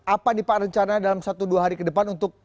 apa nih pak rencana dalam satu dua hari ke depan untuk